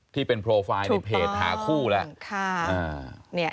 ที่เป็นโปรไฟล์หาคู่มา